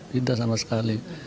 tidak sama sekali